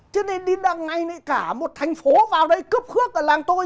cho nên đi ngay cả một thành phố vào đấy cướp khước ở làng tôi